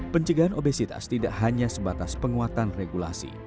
pencegahan obesitas tidak hanya sebatas penguatan regulasi